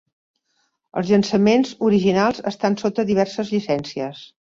Els llançaments originals estan sota diverses llicències.